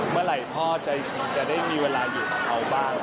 เมื่อไหร่พ่อใจถึงจะได้มีเวลาอยู่กับเขาบ้าง